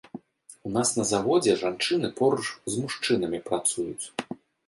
У нас на заводзе жанчыны поруч з мужчынамі працуюць.